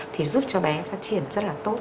thì giúp cho bé phát triển rất là tốt